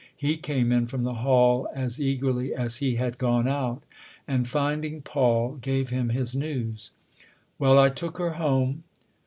He came in from the hall as eagerly as he had gone out, and, finding Paul, gave him his news :" Well I took her home."